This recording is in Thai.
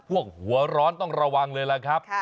หัวร้อนต้องระวังเลยล่ะครับ